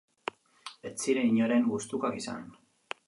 Ez ziren inoren gustukoak izan.